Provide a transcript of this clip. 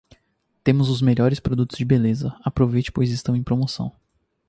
Temos os melhores produtos de beleza. Aproveite, pois estão em promoção.